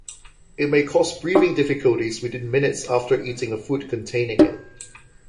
It may cause breathing difficulty within minutes after eating a food containing it.